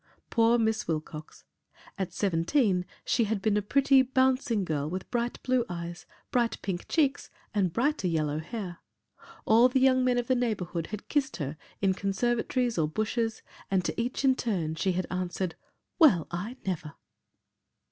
Poor Miss Wilcox! At seventeen she had been a pretty, bouncing girl with bright blue eyes, bright pink cheeks and brighter yellow hair. All the young men of the neighbourhood had kissed her in conservatories or bushes and to each in turn, she had answered, "Well, I never!"